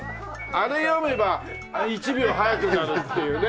あれ読めば１秒速くなるっていうね。